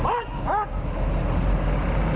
ตำรวจต้องไล่ตามกว่าจะรองรับเหตุได้